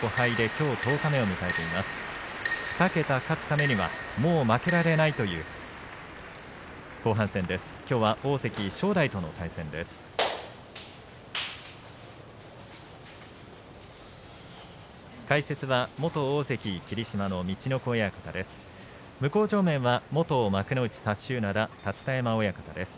きょうは大関正代との対戦です。